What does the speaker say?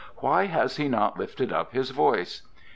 Why has he not lifted up his voice?